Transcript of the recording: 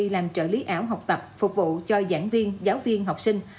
làm trợ lý ảo học tập phục vụ cho giảng viên giáo viên học sinh